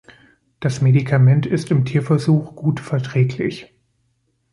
Das Medikament ist im Tierversuch gut verträglich.